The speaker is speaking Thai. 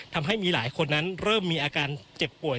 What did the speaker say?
ทำให้มีหลายคนนั้นเริ่มมีอาการเจ็บป่วย